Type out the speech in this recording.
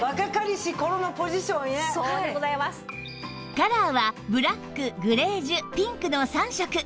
カラーはブラックグレージュピンクの３色